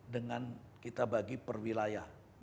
dengan kita bagi per wilayah